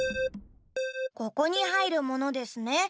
ここにはいるものですね。